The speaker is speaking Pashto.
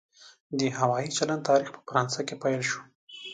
د هوایي چلند تاریخ په فرانسه کې پیل شو.